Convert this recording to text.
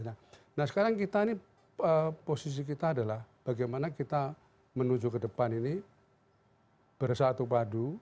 nah sekarang kita ini posisi kita adalah bagaimana kita menuju ke depan ini bersatu padu